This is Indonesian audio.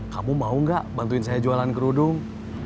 kamu mau gak bantuin saya jualan kerudung